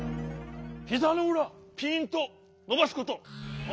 ひざのうらピーンとのばすこと。